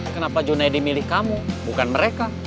kenapa junaidi milih kamu bukan mereka